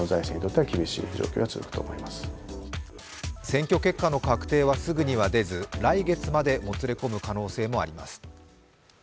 選挙結果の確定はすぐには出ず、来月までもつれ込む可能性もあります。